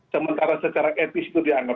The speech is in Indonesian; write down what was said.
sementara secara etis itu dianggap